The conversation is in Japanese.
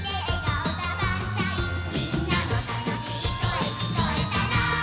「みんなのたのしいこえきこえたら」